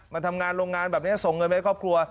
มาทำงานโรงงานแบบนี้ส่งเงินไปให้ครอบครัว